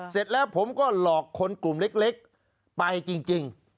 เสร็จแล้วผมก็หลอกคนกลุ่มเล็กไปจริง